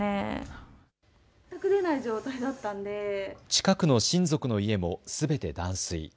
近くの親族の家もすべて断水。